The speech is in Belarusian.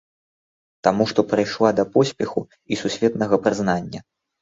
Таму што прыйшла да поспеху і сусветнага прызнання.